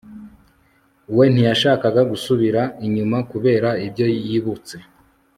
we ntiyashakaga gusubira inyuma kubera ibyo yibutse